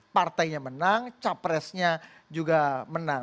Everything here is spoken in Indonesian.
partainya menang capresnya juga menang